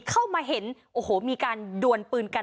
เข้ามาเห็นโอ้โหมีการดวนปืนกัน